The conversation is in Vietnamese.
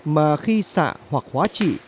mà khi xạ hoặc hóa trị